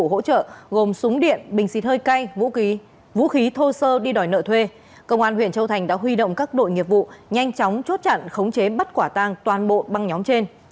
huyện châu thành đã huy động các đội nghiệp vụ nhanh chóng chốt chặn khống chế bắt quả tang toàn bộ băng nhóm trên